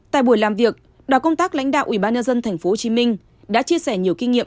tại buổi làm việc đoàn công tác lãnh đạo ủy ban nhân dân tp hcm đã chia sẻ nhiều kinh nghiệm